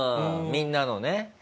みんなのね。